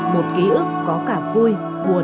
một ký ức có cảm vui buồn